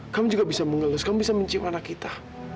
kamu juga bisa mengelus kamu bisa mencium anak kita